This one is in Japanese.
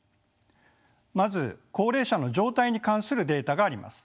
まず高齢者の状態に関するデータがあります。